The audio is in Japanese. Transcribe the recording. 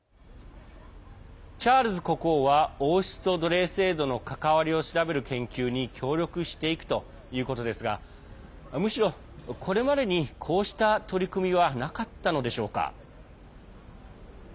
チャールズ国王は王室と奴隷制度の関わりを調べる研究に協力していくということですがむしろ、これまでにこうした取り組みはなかったのでしょうか？